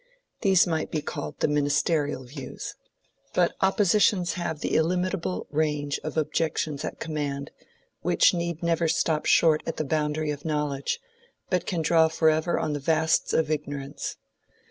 These might be called the ministerial views. But oppositions have the illimitable range of objections at command, which need never stop short at the boundary of knowledge, but can draw forever on the vasts of ignorance.